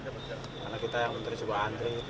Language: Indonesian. karena kita yang menteri juga antri